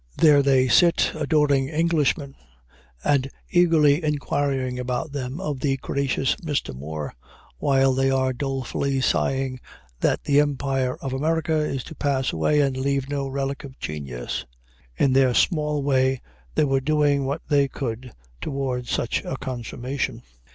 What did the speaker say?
There they sit adoring Englishmen, and eagerly inquiring about them of the gracious Mr. Moore, while they are dolefully sighing that the empire of America is to pass away and leave no relic of genius. In their small way they were doing what they could toward such a consummation.